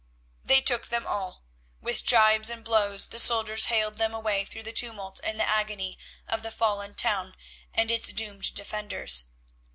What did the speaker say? They took them all; with gibes and blows the soldiers haled them away through the tumult and the agony of the fallen town and its doomed defenders.